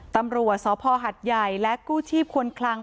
ตำรวจสพหัดใหญ่และกู้ชีพควรคลัง